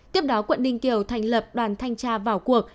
tiếp đó quận ninh kiều thành lập đoàn thanh tra vào cuộc